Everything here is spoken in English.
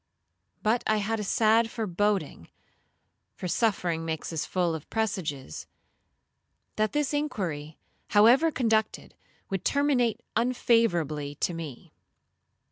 But I had a sad foreboding, (for suffering makes us full of presages), that this inquiry, however conducted, would terminate unfavourably to me.